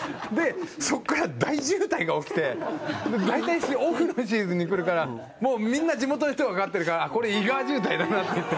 そこから大渋滞が起きて大体、オフのシーズンに来るからみんな、地元の人わかってるからこれ、井川渋滞だなっていって。